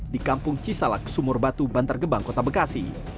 di kampung cisalak sumur batu bantar gebang kota bekasi